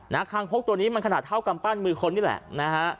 คางคกตัวนี้มันขนาดเท่ากำปั้นมือคนนี่แหละนะฮะ